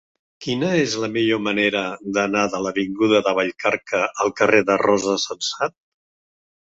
Quina és la millor manera d'anar de l'avinguda de Vallcarca al carrer de Rosa Sensat?